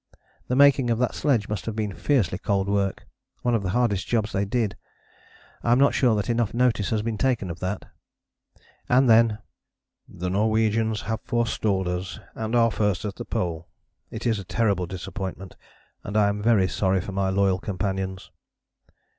The making of that sledge must have been fiercely cold work: one of the hardest jobs they did. I am not sure that enough notice has been taken of that. And then: "The Norwegians have forestalled us and are first at the Pole. It is a terrible disappointment, and I am very sorry for my loyal companions.